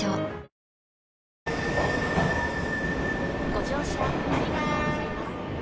ご乗車ありがとうございます